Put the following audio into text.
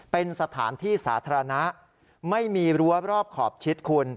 เป็นสถานที่สาธารณะไม่มีรั้วรอบขอบชิดคุณ